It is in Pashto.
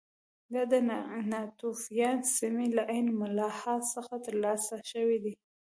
دا د ناتوفیان سیمې له عین ملاحا څخه ترلاسه شوي دي